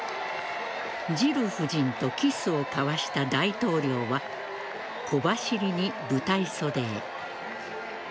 ジル夫人とキスを交わした大統領は小走りに舞台袖へ。